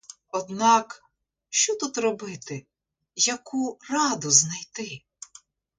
Однак, що тут робити, яку раду знайти?